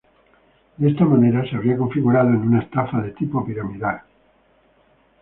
De esta manera se habría configurado en una estafa de tipo piramidal.